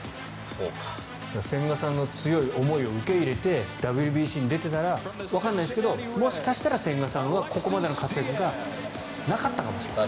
千賀さんの強い思いを受け入れてＷＢＣに出ていたらわからないですけどもしかしたら千賀さんはここまでの活躍がなかったかもしれない。